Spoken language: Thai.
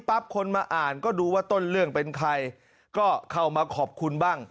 คนมาอ่านก็ดูว่าต้นเรื่องเป็นใครก็เข้ามาขอบคุณบ้าง